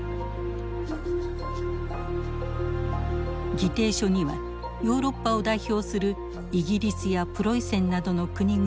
議定書にはヨーロッパを代表するイギリスやプロイセンなどの国々が署名。